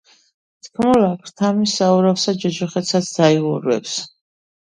თქმულა, ქრთამი საურავსა ჯოჯოხეთსაც დაიურვებს.